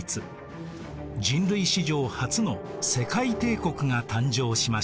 人類史上初の世界帝国が誕生しました。